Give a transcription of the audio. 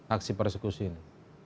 aksi persekusi ini